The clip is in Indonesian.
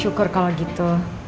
syukur kalau begitu